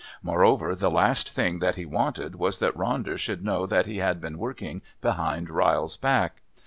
Moreover, the last thing that he wanted was that Ronder should know that he had been working behind Ryle's back.